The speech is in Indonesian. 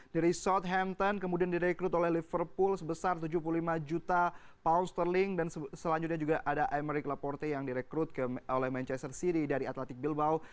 dari southampton kemudian direkrut oleh liverpool sebesar tujuh puluh lima juta pound sterling dan selanjutnya juga ada aymeric laporte yang direkrut oleh manchester city dari atlantic bilbao